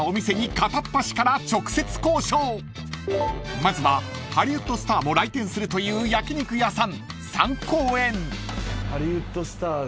［まずはハリウッドスターも来店するという焼き肉屋さん］